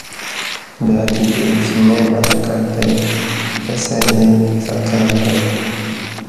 دا ددې چیني برکت دی پسه یې ساتلی دی.